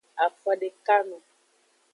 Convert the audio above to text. Afodekano.